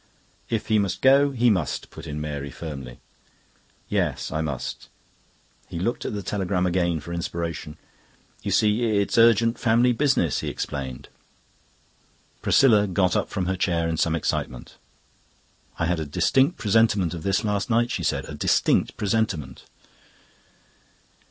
"If he must go, he must," put in Mary firmly. "Yes, I must." He looked at the telegram again for inspiration. "You see, it's urgent family business," he explained. Priscilla got up from her chair in some excitement. "I had a distinct presentiment of this last night," she said. "A distinct presentiment."